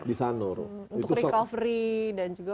untuk recovery dan juga untuk recuperating